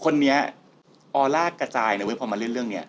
คนนี้ออร่ากระจายเลยเว้ยพอมาเล่นเรื่องนี้